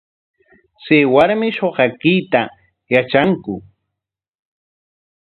¿Chay warmi shuqakuyta yatranku?